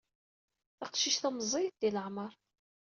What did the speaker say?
Taqcict-a meẓẓiyet di leɛmeṛ.